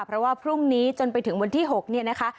เพราะว่าพรุ่งนี้จนไปถึงวันที่๖เนี่ยนะคะ